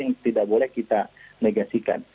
yang tidak boleh kita negasikan